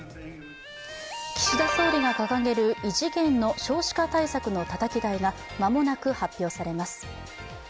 岸田総理が掲げる異次元の少子化対策のたたき台が間もなく発表されます。